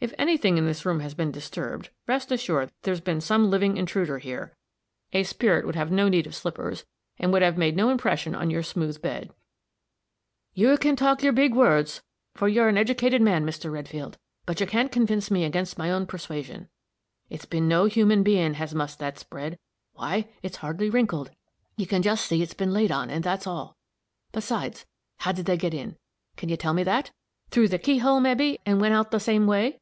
"If any thing in this room has been disturbed, rest assured there's been some living intruder here. A spirit would have had no need of slippers, and would have made no impression on your smooth bed." "You can talk your big words, for you are an edicated man, Mr. Redfield, but you can't convince me against my own persuasion. It's been no human being has mussed that spread why, it's hardly wrinkled you can just see it's been laid on, and that's all. Besides, how did they get in? Can you tell me that? Through the keyhole, mebbe, and went out the same way!"